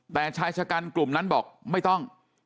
แต่ชายชะกันกลุ่มนั้นบอกไม่ต้อง